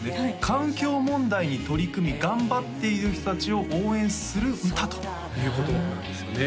環境問題に取り組み頑張っている人達を応援する歌ということなんですよね